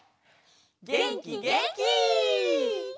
げんきげんき！